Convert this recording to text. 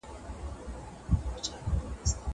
زه به اوږده موده موټر کار کر وم.